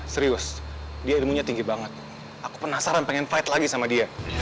serius dia ilmunya tinggi banget aku penasaran pengen fight lagi sama dia